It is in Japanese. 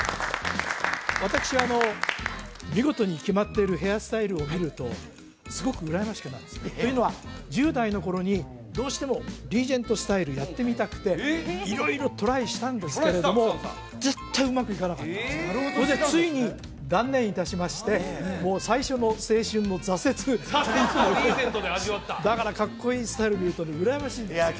私は見事にキマっているヘアスタイルを見るとすごく羨ましくなるんですねというのは１０代の頃にどうしてもリーゼントスタイルやってみたくて色々トライしたんですけれども絶対うまくいかなかったんですそれでついに断念いたしましてだからかっこいいスタイル見るとね羨ましいんですいや